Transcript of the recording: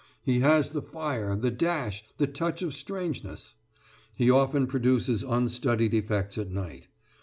He has the fire, the dash, the touch of strangeness. He often produces unstudied effects at night.